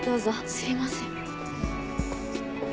すいません。